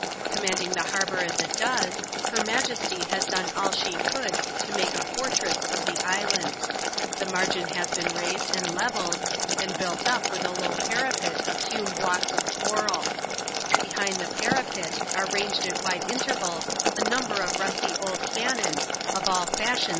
Commanding the harbour as it does, her majesty has done aU she could to make a fortress of the island. The margin bas been raised and levelled, and built up with a low parapet <jf hewn blocks ot' coraL Beliind the parapet, are i*anged at wide intervals a number of rusty old cannon, of all fashion.'